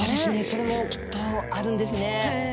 それもきっとあるんですね。